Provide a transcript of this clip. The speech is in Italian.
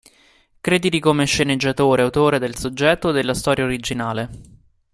Crediti come sceneggiatore, autore del soggetto o della storia originale.